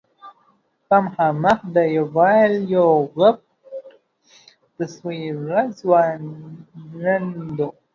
په مخامخ دېوال یو غټ تصویر راځوړند و.